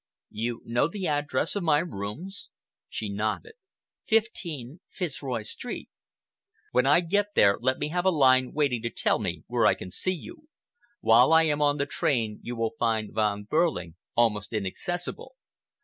You know the address of my rooms?" She nodded. "15, Fitzroy Street." "When I get there, let me have a line waiting to tell me where I can see you. While I am on the train you will find Von Behrling almost inaccessible.